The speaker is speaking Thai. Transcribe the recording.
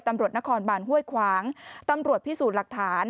ตำรวจนครบานห้วยขวางตำรวจพิสูจน์หลักฐาน